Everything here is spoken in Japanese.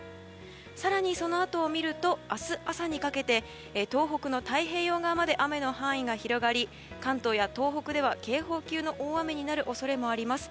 更に、そのあとを見ると明日朝にかけて東北の太平洋側まで雨の範囲が広がり関東や東北では警報級の大雨になる恐れもあります。